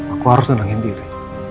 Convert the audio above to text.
aku harus senangin diri